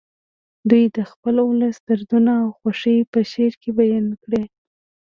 دوی د خپل ولس دردونه او خوښۍ په شعر کې بیان کړي